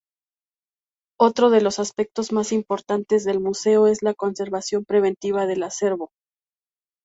Otro de los aspectos más importantes del museo es la 'Conservación preventiva del Acervo'.